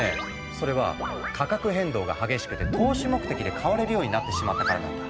それは価格変動が激しくて投資目的で買われるようになってしまったからなんだ。